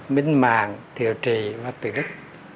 minh màng thiệu trì và tử đức